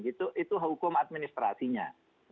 itu hukum administrasinya